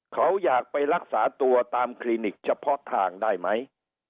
เขาอยากไปรักษาตัวตามคลินิกเฉพาะทางได้ไหม